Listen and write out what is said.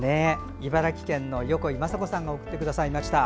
茨城県の横井正子さんが送ってくださいました。